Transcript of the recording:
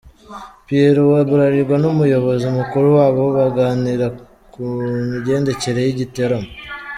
Pierro wa Bralirwa n’umuyobozi mukuru wabo baganira ku migendekere y’igitaramo.